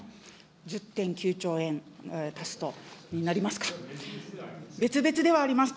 １０．９兆円足すと、になりますか。